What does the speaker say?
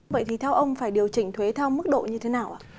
vậy thì theo ông phải điều chỉnh thuế theo mức độ như thế nào ạ